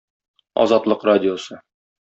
Азатлык Радиосы